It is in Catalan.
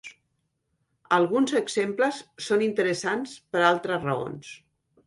Alguns exemples són interessants per altres raons.